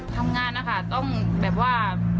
ทำงานนะคะต้องแบบว่า